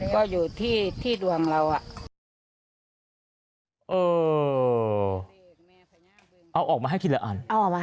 ก็อยู่ที่ที่ดวงเราอ่ะเออเอาออกมาให้ทีละอันเอาออกมา